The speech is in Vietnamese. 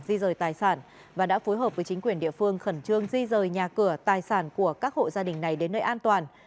di rời tài sản và đã phối hợp với chính quyền địa phương khẩn trương di rời nhà cửa tài sản của các hộ gia đình này đến nơi an toàn